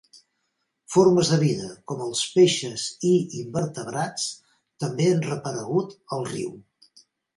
Formes de vida com els peixes i invertebrats també han reaparegut al riu.